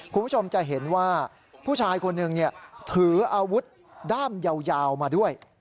คุณผู้ชมจะเห็นว่าผู้ชายคนหนึ่งถืออาวุธด้ามยาวมาด้วย